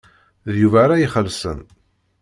D Yuba ara ixellṣen.